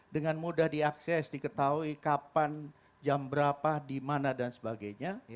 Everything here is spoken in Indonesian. dengan mudah diakses diketahui kapan jam berapa di mana dan sebagainya